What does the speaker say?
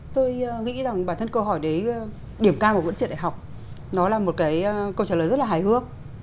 tôi nghĩ rằng bản thân câu hỏi đấy điểm cao của vẫn trượt đại học nó là một cái câu trả lời rất là hài hước